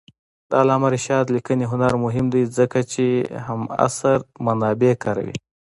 د علامه رشاد لیکنی هنر مهم دی ځکه چې همعصر منابع کاروي.